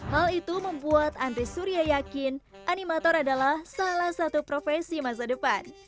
hal itu membuat andri surya yakin animator adalah salah satu profesi masa depan